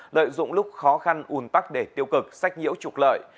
lợi dụng lúc khó khăn un tắc để tiêu cực sách nhiễu trục lợi